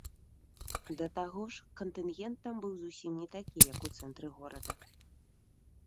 Да таго ж кантынгент там быў зусім не такі, як у цэнтры горада.